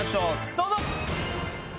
どうぞ！